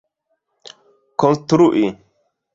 konstrui